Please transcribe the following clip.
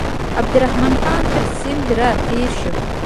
عبدالرحمن خان تر سیند را تېر شو.